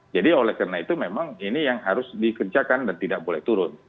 jadi oleh karena itu memang ini yang harus dikerjakan dan tidak boleh turun